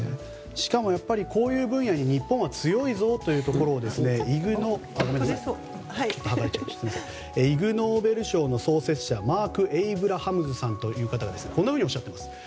しかも、こういう分野に日本は強いぞというところをイグ・ノーベル賞の創設者マーク・エイブラハムさんという方がこのようにおっしゃっています。